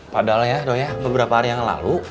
padahal ya doi ya beberapa hari yang lalu